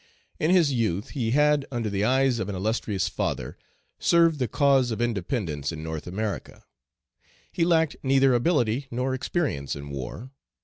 In his youth he had, under the eyes of an illustrious father, served the cause of independence in North America. He lacked neither ability nor experience in war.